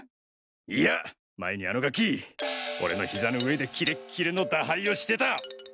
いや前にあのガキ俺のヒザの上でキレッキレの打牌をしてた